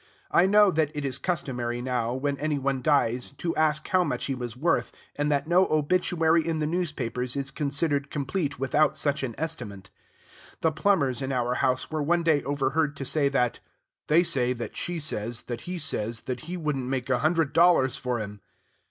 I know that it is customary now, when any one dies, to ask how much he was worth, and that no obituary in the newspapers is considered complete without such an estimate. The plumbers in our house were one day overheard to say that, "They say that she says that he says that he wouldn't take a hundred dollars for him."